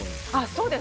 そうです。